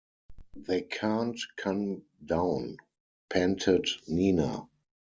“They can’t come down,” panted Nina.